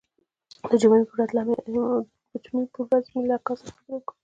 د جمعې پر ورځ مې له اکا سره خبرې وکړې.